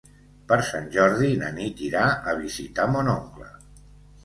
Per Sant Jordi na Nit irà a visitar mon oncle.